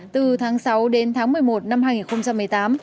từ tháng sáu đến tháng một mươi một năm hai nghìn một mươi tám